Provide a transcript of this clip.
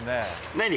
何？